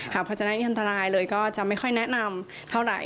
ภาชนะที่อันตรายเลยก็จะไม่ค่อยแนะนำเท่าไหร่